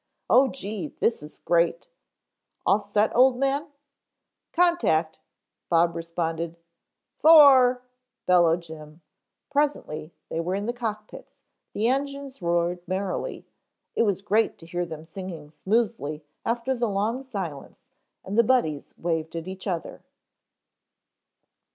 "Oh, gee, this is great. All set, Old Man?" "Contact," Bob responded. "Fore," bellowed Jim. Presently they were in the cockpits, the engines roared merrily, it was great to hear them singing smoothly after the long silence and the Buddies waved at each other.